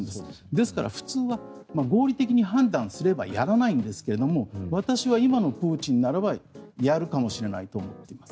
ですから、普通は合理的に判断すればやらないんですが私は今のプーチンならばやるかもしれないと思っています。